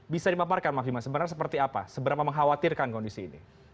bisa dipaparkan mas bima sebenarnya seperti apa seberapa mengkhawatirkan kondisi ini